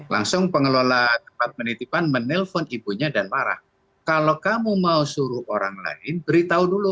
langsung pengelola tempat penitipan menelpon ibunya dan marah kalau kamu mau suruh orang lain beritahu dulu